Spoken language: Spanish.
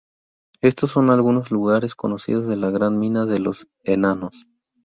Estos son algunos lugares conocidos de la Gran Mina de los Enanos.